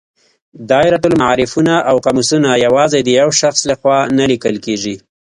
دایرة المعارفونه او قاموسونه یوازې د یو شخص له خوا نه لیکل کیږي.